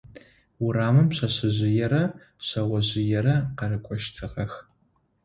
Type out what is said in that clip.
Урамым пшъэшъэжъыерэ шъэожъыерэ къырыкӀощтыгъэх.